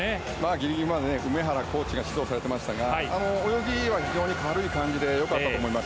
ギリギリまで梅原コーチが指導されてましたが泳ぎは非常に軽い感じで良かったと思います。